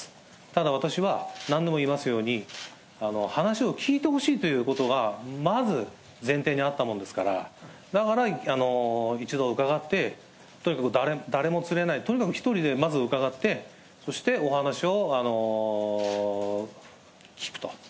ただ、私は何度も言いますように、話を聞いてほしいということが、まず前提にあったものですから、だから、一度伺って、とにかく誰も連れない、とにかく１人でまず伺って、そしてお話を聞くと。